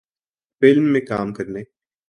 film میں کام کرنے